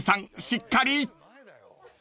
しっかり］